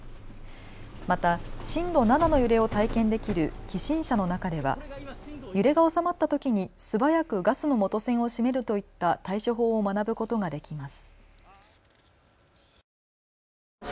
また震度７の揺れを体験できる起震車の中では揺れが収まったときに素早くガスの元栓を閉めるといった対処法を学ぶことができます。